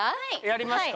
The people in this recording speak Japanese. やりますか。